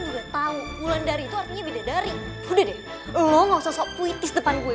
luar juga tahu bulan dari itu artinya beda dari udah deh lo ngosok puitis depan gue